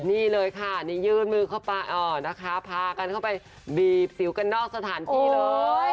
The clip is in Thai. นี่เลยค่ะนี่ยื่นมือเข้าไปนะคะพากันเข้าไปบีบสิวกันนอกสถานที่เลย